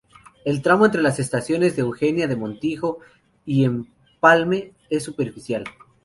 El tramo entre las estaciones de Eugenia de Montijo y Empalme es superficial.